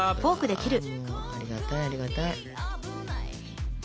ありがたいありがたい。